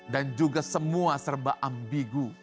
dan juga semua serba ambigu